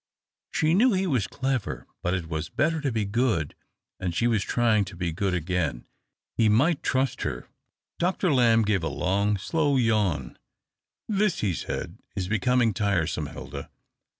She knew he was clever, but it was better to be good, and she was trying to be good again. He might trust her. Dr. Lamb gave a long, slow yawn. " This," he said, " is becoming tiresome, Hilda.